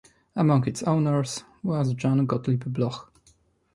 Among its owners was Jan Gotlib Bloch.